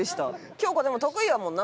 京子でも得意やもんな？